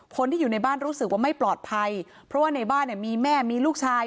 คนที่อยู่ในบ้านรู้สึกว่าไม่ปลอดภัยเพราะว่าในบ้านเนี่ยมีแม่มีลูกชาย